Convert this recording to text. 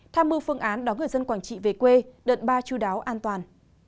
tham mưu phương án đón người dân quảng trị về quê đợt ba chú đáo an toàn